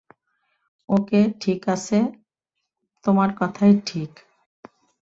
ওকে, ঠিকাছে, তোমার কথাই ঠিক।